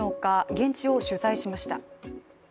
現地を取材しました。